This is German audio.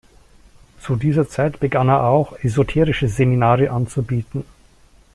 Zu dieser Zeit begann er auch, esoterische Seminare anzubieten.